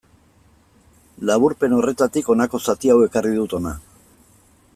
Laburpen horretatik honako zati hau ekarri dut hona.